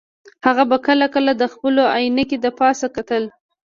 هغه به کله کله د خپلو عینکې د پاسه کتل